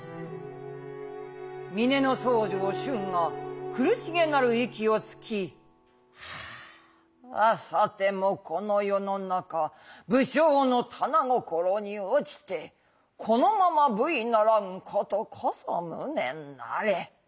「峰僧正春雅苦し気なる息をつき『さてもこの世の中武将の掌に堕ちてこのまま無為ならん事こそ無念なれ。